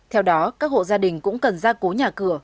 theo đó các hộ gia đình cũng cần ra cố nhà cửa